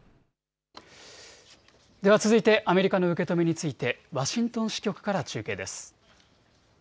では続いてアメリカの受け止めについてワシントン支局から中継です。